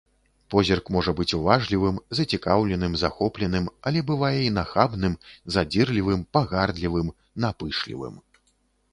Позірк можа быць уважлівым, зацікаўленым, захопленым, але бывае і нахабным, задзірлівым, пагардлівым, напышлівым.